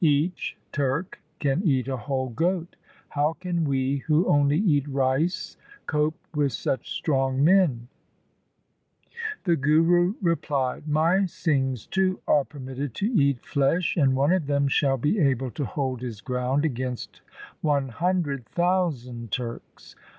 Each Turk can eat a whole goat. How can we who only eat rice, cope with such strong men ?' The Guru replied, ' My Singhs too are permitted to eat flesh, and one of them shall be able to hold his ground against one hundred thousand Turks.